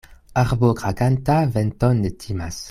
Arbo krakanta venton ne timas.